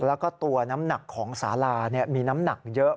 แล้วก็ตัวน้ำหนักของสารามีน้ำหนักเยอะ